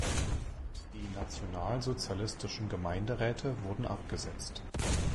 Die nationalsozialistischen Gemeinderäte wurden abgesetzt.